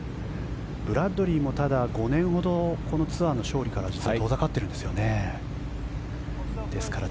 ブラッドリーも５年ほどこのツアーの勝利から実は遠ざかっているんですよね。